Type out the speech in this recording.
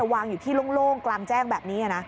วางอยู่ที่โล่งกลางแจ้งแบบนี้นะ